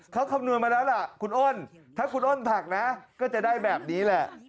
เขาคำนวณมาแล้วล่ะคุณอ้นถ้าคุณอ้นผักนะก็จะได้แบบนี้แหละ